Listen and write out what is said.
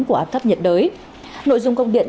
của áp thấp nhiệt đới nội dung công điện